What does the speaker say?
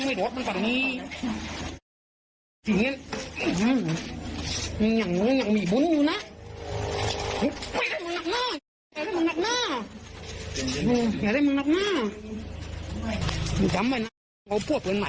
ครับก็บาดเจ็บต้องนำตัวส่งโรงพยาบาลนะฮะ